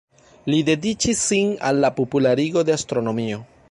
Li dediĉis sin al la popularigo de astronomio.